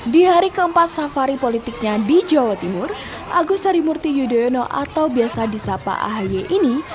di hari keempat safari politiknya di jawa timur agus harimurti yudhoyono atau biasa disapa ahy ini